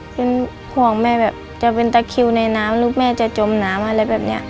เป็นห่วงแม่แบบจะเป็นตะคิวในน้ำลูกแม่จะจมน้ำอะไรแบบนี้